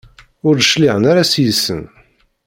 Ur d-cliɛen ara seg-sen.